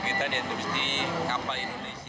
kita di industri kapal indonesia